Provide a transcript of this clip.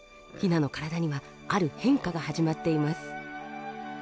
ヒナの体にはある変化が始まっています。